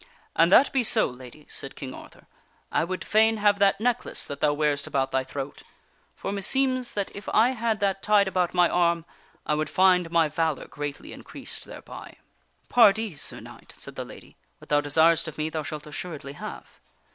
" An that be so, Lady," said King Arthur, " I would fain have that neck lace that thou wearest about thy throat. For, meseems that if I had that tied about my arm, I would find my valor greatly increased thereby." " Pardee, Sir Knight," said the Lady, " what thou desirest of me thou shalt assuredly have."